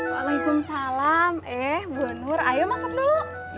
waalaikumsalam eh bu nur ayo masuk dulu